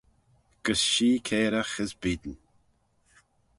Gys shee cairagh, as beayn.